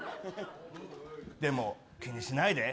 でも気にしないで。